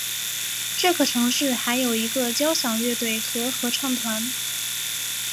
这个城市还有一个交响乐团和合唱团。